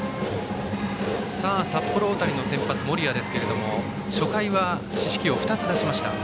札幌大谷の先発、森谷ですが初回は四死球を２つ出しました。